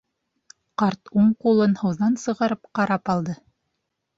Ҡарт уң ҡулын һыуҙан сығарып ҡарап алды: